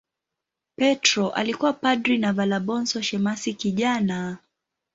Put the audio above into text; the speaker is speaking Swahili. Petro alikuwa padri na Valabonso shemasi kijana.